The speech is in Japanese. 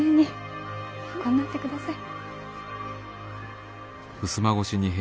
横んなってください。